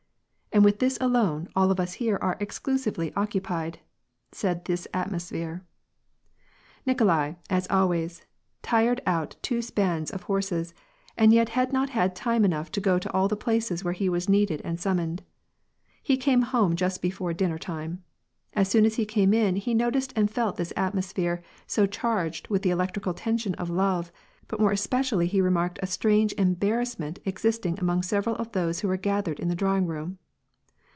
And with this alone all of us here are exclusively occupied," said this atmoe phere. Nikolai, as always, tired out two spans of horses, and yet had not had time enough to go to all the places where he was needed and summoned; he came home just before dinner time. As soon as he came in, he noticed and felt this atmoe phere so charged with the electrical tension of love, but more especially he remarked a strange embarrassment existing among several of those who were gathered in the drawing room.